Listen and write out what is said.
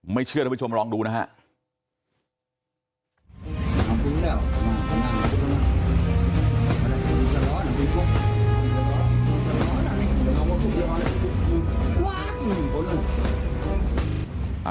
เชื่อท่านผู้ชมลองดูนะฮะ